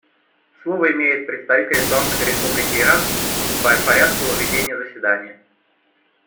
Слово имеет представитель Исламской Республики Иран по порядку ведения заседания.